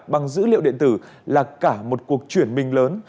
bằng dữ liệu điện tử là cả một cuộc chuyển mình lớn